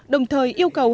đồng thời yêu cầu